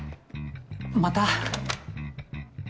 また。